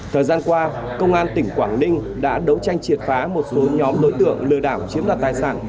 thời gian qua công an tỉnh quảng ninh đã đấu tranh triệt phá một số nhóm đối tượng lừa đảo chiếm đoạt tài sản